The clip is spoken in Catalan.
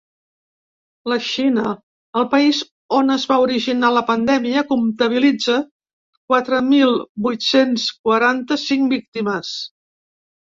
La Xina, el país on es va originar la pandèmia, comptabilitza quatre mil vuit-cents quaranta-cinc víctimes.